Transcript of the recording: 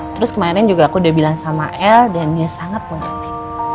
terus kemarin aku juga udah bilang sama el dan dia sangat menghenti